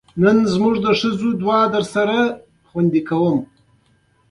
ما د دې مهم کتاب ټولې غلطۍ په نښه نه کړې.